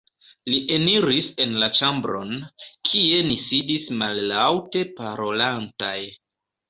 Li eniris en la ĉambron, kie ni sidis mallaŭte parolantaj.